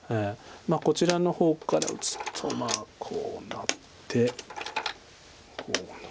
こちらの方から打つとこうなってこう。